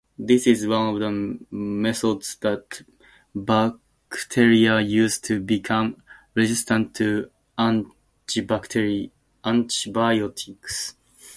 This is one of the methods that bacteria use to become resistant to antibiotics.